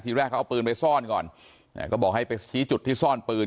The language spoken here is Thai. แรกเขาเอาปืนไปซ่อนก่อนก็บอกให้ไปชี้จุดที่ซ่อนปืน